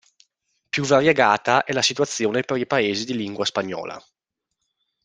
Più variegata è la situazione per i paesi di lingua spagnola.